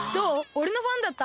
おれのファンだった？